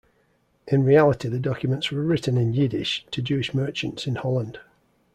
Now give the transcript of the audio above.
In reality the documents were written in Yiddish, to Jewish merchants in Holland.